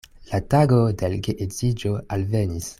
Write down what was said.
La tago de l' geedziĝo alvenis.